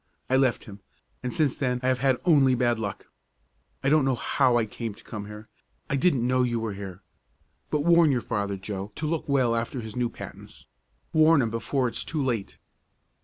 I left him, and since then I have had only bad luck. I don't know how I came to come here. I didn't know you were here. But warn your father, Joe, to look well after his new patents. Warn him before it is too late."